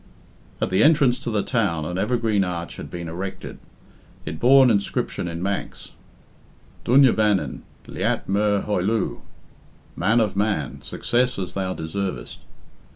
At the entrance to the town an evergreen arch had been erected. It bore an inscription in Manx: "Dooiney Vannin, lhiat myr hoilloo" "Man of Man, success as thou deservest."